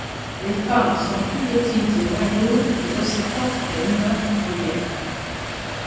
Les femmes sont plus petites et moins lourdes mais aussi fortes qu'un humain moyen.